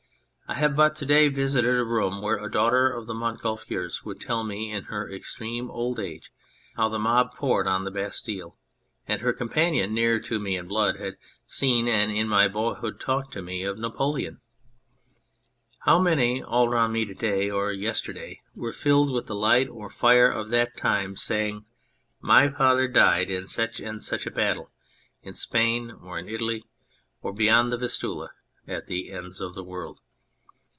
I have but to day visited a room where a daughter of the Montgolfiers would tell me in her extreme old age how the mob poured on the Bastille, and her companion, nearer to me in blood, had seen, and in my boyhood talked to me of, Napoleon. How many all round me, to day or yesterday, were filled with the light or fire of that time, saying, " My father died in such and such a battle," in Spain, or in Italy, or beyond the Vistula at the ends of the world.